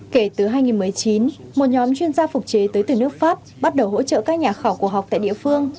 kể từ hai nghìn một mươi chín một nhóm chuyên gia phục chế tới từ nước pháp bắt đầu hỗ trợ các nhà khảo cổ học tại địa phương